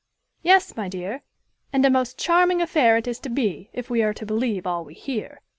"Yes, my dear; and a most charming affair it is to be, if we are to believe all we hear.